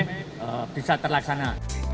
sampai bisa terlaksana